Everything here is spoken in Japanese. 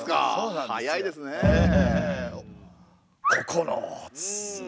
ここのつ。